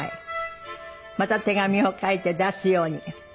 「また手紙を書いて出すように」